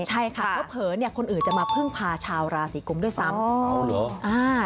ใช่ค่ะก็เผลอคนอื่นจะมาพึ่งพาชาวราสีกลุ่มด้วยซ้ำ